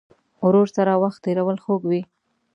ورور سره وخت تېرول خوږ وي.